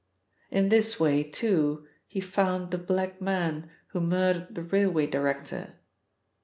In this way, too, he found the black man who murdered the railway director.